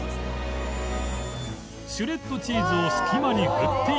シュレッドチーズを隙間に振っていく